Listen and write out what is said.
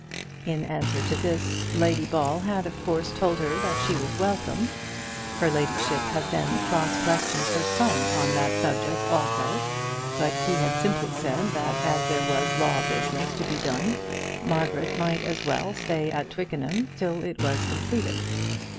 In answer to this, Lady Ball had of course told her that she was welcome. Her ladyship had then cross questioned her son on that subject also, but he had simply said that as there was law business to be done, Margaret might as well stay at Twickenham till it was completed.